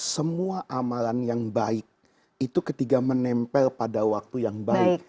semua amalan yang baik itu ketika menempel pada waktu yang baik